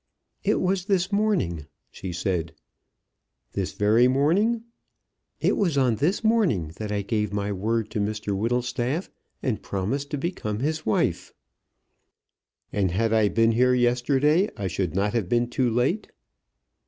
"It was this morning," she said. "This very morning?" "It was on this morning that I gave my word to Mr Whittlestaff, and promised to become his wife." "And had I been here yesterday I should not have been too late?"